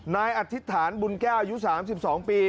อธิษฐานบุญแก้วอายุ๓๒ปี